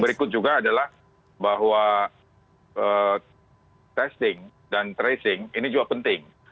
berikut juga adalah bahwa testing dan tracing ini juga penting